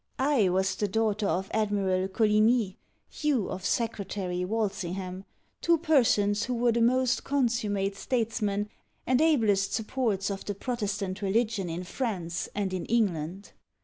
I was the daughter of Admiral Coligni, you of Secretary Walsingham, two persons who were the most consummate statesmen and ablest supports of the Protestant religion in France, and in England.